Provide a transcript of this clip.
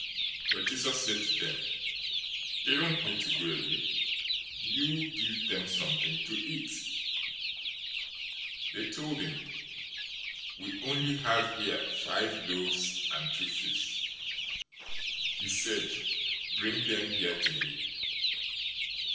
014:016 But Jesus said to them, "They don't need to go away. You give them something to eat." 014:017 They told him, "We only have here five loaves and two fish." 014:018 He said, "Bring them here to me."